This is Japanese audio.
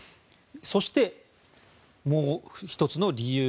そして、もう１つの理由